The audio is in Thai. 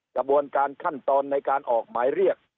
กระบวนการขั้นตอนในการออกหมายเรียก